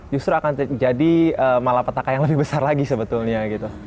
justru akan jadi malapetaka yang lebih besar lagi sebetulnya gitu